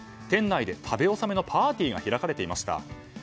店内で食べ納めのパーティーが開かれていました。